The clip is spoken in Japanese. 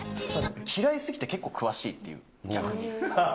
嫌いすぎて結構詳しいっていう、逆に。